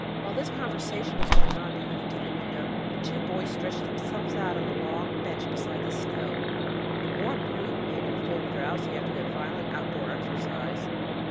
While this conversation was going on behind the ticket window, the two boys stretched themselves out on a long bench beside the stove. The warm room made them feel drowsy after their violent out door exercise.